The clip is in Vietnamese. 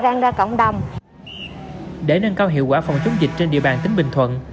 để nâng cao hiệu quả phòng chống dịch trên địa bàn tỉnh bình thuận